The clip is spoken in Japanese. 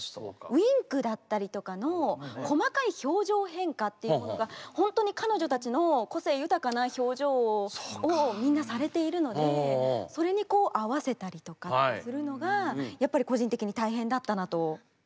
ウインクだったりとかの細かい表情変化っていうものがほんとに彼女たちの個性豊かな表情をみんなされているのでそれにこう合わせたりとかするのがやっぱり個人的に大変だったなと。